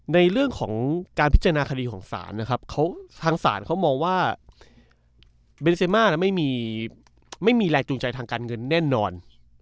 ในเรื่องของการพิจารณาคดีของศาลนะครับทางศาลเขามองว่าเบนเซมาไม่มีแรงจูงใจทางการเงินแน่นอน